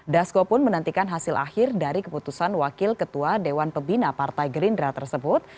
dasko pun menantikan hasil akhir dari keputusan wakil ketua dewan pembina partai gerindra tersebut